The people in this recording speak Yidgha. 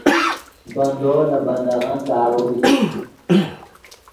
بندو نے بندغّن داروئے